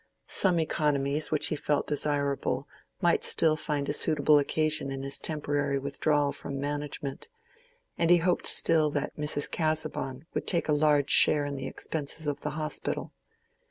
Some economies which he felt desirable might still find a suitable occasion in his temporary withdrawal from management, and he hoped still that Mrs. Casaubon would take a large share in the expenses of the Hospital.